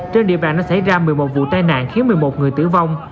trên địa bàn đã xảy ra một mươi một vụ tai nạn khiến một mươi một người tử vong